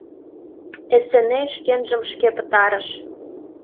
Эсе-ней шкенжым шке пытарыш...